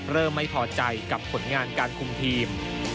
เริ่มไม่พอใจกับผลงานการคุมทีม